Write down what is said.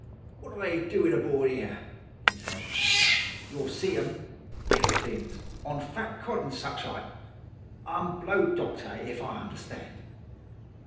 'Wot are they doin' aboard 'ere?' he said. 'You'll see 'em–little things–on fat cod an' such like. I'm blowed, doctor, if I understand.